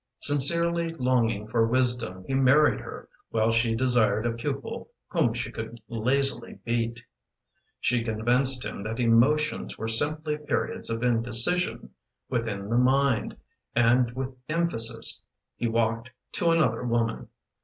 Sincerely longing for wisdom He married her, while she desired A pupil whom she could lazily beat. She convinced him that emotions Were simply periods of indecision Within the mind, and with emphasis He walked to another woman.